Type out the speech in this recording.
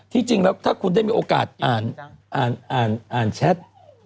จริงแล้วถ้าคุณได้มีโอกาสอ่านแชท